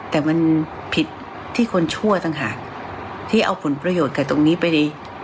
แต่มันผิดที่คนชั่วต่างหากที่เอาผลประโยชน์กับตรงนี้ไปใน